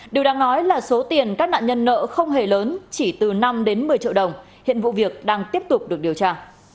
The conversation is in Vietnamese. điều đáng nói là số tiền các nạn nhân nợ không hề lớn chỉ từ năm đến một mươi triệu đồng hiện vụ việc đang tiếp tục được điều tra